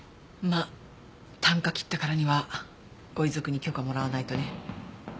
まあ啖呵切ったからにはご遺族に許可もらわないとね。